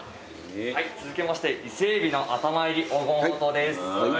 続きまして伊勢海老の頭入り黄金ほうとうです。